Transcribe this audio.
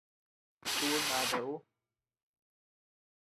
Ú ndata ú.